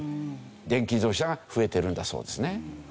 電気自動車が増えてるんだそうですね。